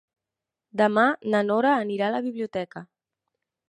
Demà na Nora anirà a la biblioteca.